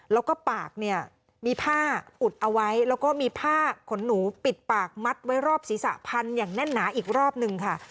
แล้วก็ปากเนี่ยมีผ้าอุดเอาไว้แล้วก็มีผ้าขนหนูปิดปากมัดไว้รอบศีรษะพันอย่างแน่นหนาอีกรอบนึงค่ะ